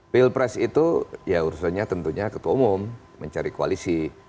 pilpres itu ya urusannya tentunya ketua umum mencari koalisi